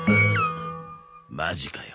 マジかよ。